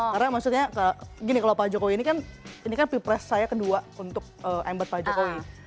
karena maksudnya gini kalau pak jokowi ini kan ini kan pipres saya kedua untuk embed pak jokowi